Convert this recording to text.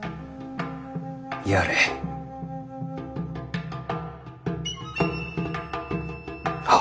やれ。はっ。